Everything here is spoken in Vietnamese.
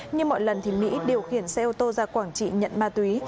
như mọi lần thì mỹ điều khiển xe ô tô ra quảng trị nhận ma túy